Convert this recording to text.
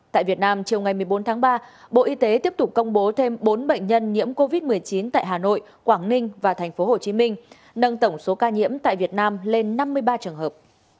tại việt nam chiều ngày một mươi bốn tháng ba bộ y tế tiếp tục công bố thêm bốn bệnh nhân nhiễm covid một mươi chín tại hà nội quảng ninh và tp hcm nâng tổng số ca nhiễm tại việt nam lên năm mươi ba trường hợp